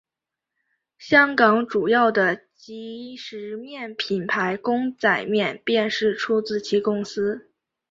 香港主要的即食面品牌公仔面便是出自其公司。